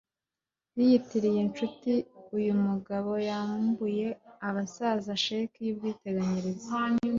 Yiyitiriye inshuti uyu mugabo yambuye abasaza sheki yubwiteganyirize